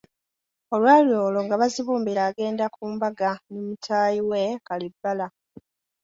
Olwali olwo nga Bazibumbira agenda ku mbaga ne mutaayi we Kalibbala.